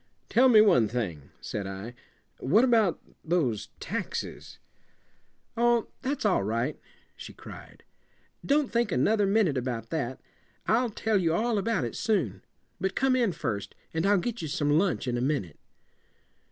"Tell me one thing," said I. "What about those taxes?" "Oh, that's all right," she cried. "Don't think another minute about that. I'll tell you all about it soon. But come in first, and I'll get you some lunch in a minute."